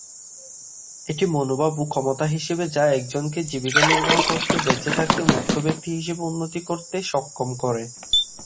এটি মনোভাব ও ক্ষমতা হিসাবে যা একজনকে জীবিকা নির্বাহ করতে, বেঁচে থাকতে, মুক্ত ব্যক্তি হিসাবে উন্নতি করতে সক্ষম করে।